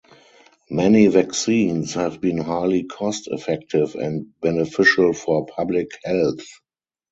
Many vaccines have been highly cost effective and beneficial for public health.